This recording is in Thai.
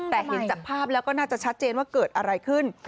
แต่เห็นจากภาพแล้วก็น่าจะชัดเจนว่าเกิดอะไรขึ้น